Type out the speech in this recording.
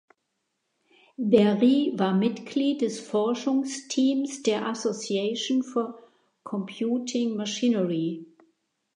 Berry war Mitglied des Forschungsteams der Association for Computing Machinery.